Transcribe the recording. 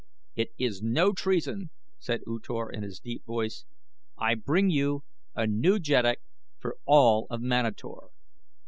"It is no treason," said U Thor in his deep voice. "I bring you a new jeddak for all of Manator.